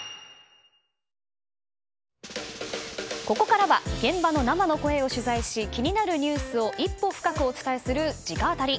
ここからは現場の生の声を取材し気になるニュースを一歩深くお伝えする直アタリ。